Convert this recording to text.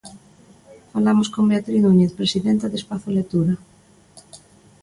Falamos con Beatriz Núñez, Presidenta de Espazo Lectura.